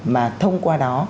mà thông qua đó